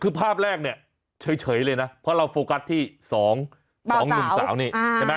คือภาพแรกเนี่ยเฉยเลยนะเพราะเราโฟกัสที่๒หนุ่มสาวนี่ใช่ไหม